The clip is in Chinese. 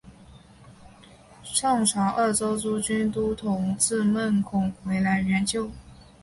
宋朝鄂州诸军都统制孟珙回来援救。